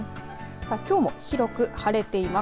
きょうも広く晴れています。